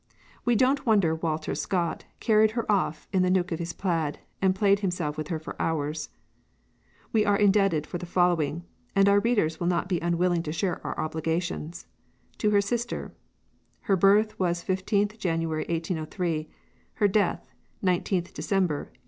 We don't wonder Walter Scott carried her off in the neuk of his plaid, and played himself with her for hours.... We are indebted for the following and our readers will be not unwilling to share our obligations to her sister: "Her birth was 15th January, 1803; her death 19th December, 1811.